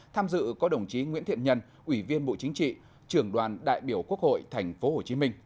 tham dự có đồng chí nguyễn thiện nhân ủy viên bộ chính trị trưởng đoàn đại biểu quốc hội tp hcm